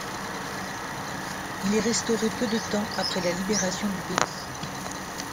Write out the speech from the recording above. Il est restauré peu de temps après la libération du pays.